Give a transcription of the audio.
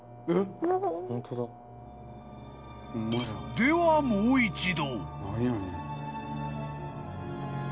［ではもう一度］